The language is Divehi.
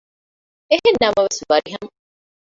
އެހެންނަމަވެސް ވަރިހަމަ